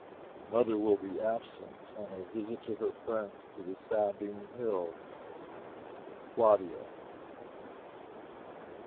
Mother will be absent on a visit to her friends in the Sabine Hills. CLAUDIA."